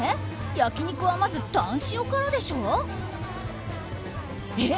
焼肉はまずタン塩からでしょ？え？